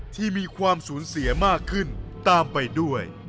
ที่มีความสูญเสียมากขึ้นตามไปด้วย